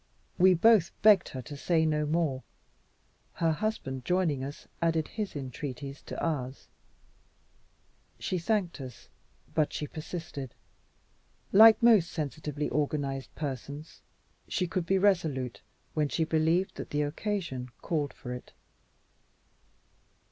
We both begged her to say no more. Her husband, joining us, added his entreaties to ours. She thanked us, but she persisted. Like most sensitively organized persons, she could be resolute when she believed that the occasion called for it.